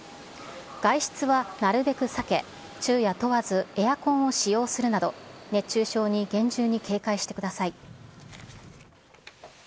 外出はなるべく避け、昼夜問わずエアコンを使用するなど、熱中症に厳重に警戒してください。